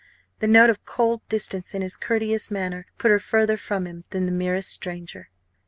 The note of cold distance in his courteous manner put her further from him than the merest stranger.